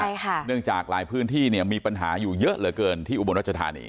ใช่ค่ะเนื่องจากหลายพื้นที่เนี่ยมีปัญหาอยู่เยอะเหลือเกินที่อุบลรัชธานี